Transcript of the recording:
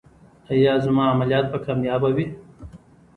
ایا زما عملیات به کامیابه وي؟